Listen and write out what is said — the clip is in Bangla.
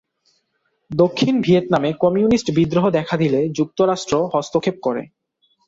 দক্ষিণ ভিয়েতনামে কমিউনিস্ট বিদ্রোহ দেখা দিলে যুক্তরাষ্ট্র হস্তক্ষেপ করে।